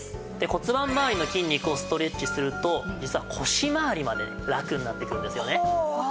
骨盤まわりの筋肉をストレッチすると実は腰まわりまでラクになっていくんですよね。